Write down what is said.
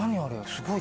すごい。